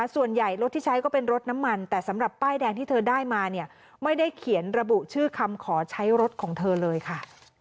รถที่ใช้ก็เป็นรถน้ำมันแต่สำหรับป้ายแดงที่เธอได้มาเนี่ยไม่ได้เขียนระบุชื่อคำขอใช้รถของเธอเลยค่ะ